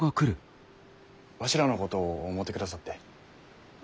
わしらのことを思うてくださって。